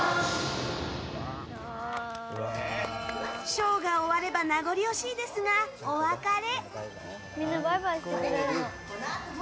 ショーが終われば名残惜しいですが、お別れ。